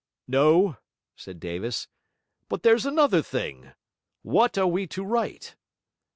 'No,' said Davis. 'But there's another thing. What are we to write?'